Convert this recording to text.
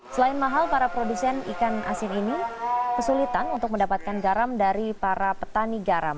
selain mahal para produsen ikan asin ini kesulitan untuk mendapatkan garam dari para petani garam